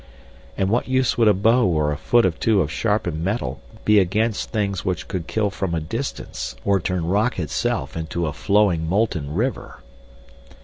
And what use would a bow or a foot or two of sharpened metal be against things which could kill from a distance or turn rock itself into a flowing, molten river?